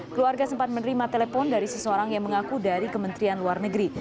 keluarga sempat menerima telepon dari seseorang yang mengaku dari kementerian luar negeri